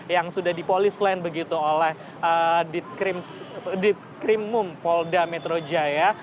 yang sudah dipolis lain begitu oleh ditkrimum polda metro jaya